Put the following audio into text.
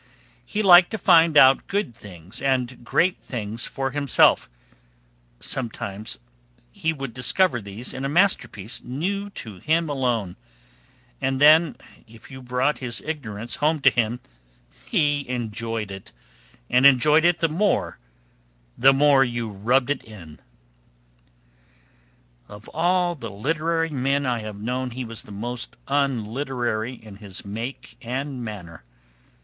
He liked to find out good things and great things for himself; sometimes he would discover these in a masterpiece new to him alone, and then, if you brought his ignorance home to him, he enjoyed it, and enjoyed it the more the more you rubbed it in. Of all the literary men I have known he was the most unliterary in his make and manner.